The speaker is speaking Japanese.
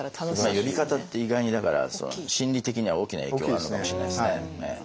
呼び方って意外に心理的には大きな影響があるのかもしれないですね。